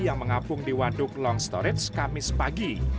yang mengapung di waduk longstorage kamis pagi